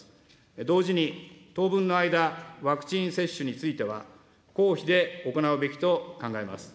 同時に、当分の間、ワクチン接種については、公費で行うべきと考えます。